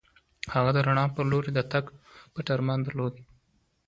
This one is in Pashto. هغه د رڼا په لور د تګ پټ ارمان درلود.